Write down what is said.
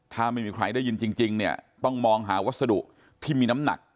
ถ้าไม่มีใครได้ยินจริงเนี่ยต้องมองหาวัสดุที่มีน้ำหนัก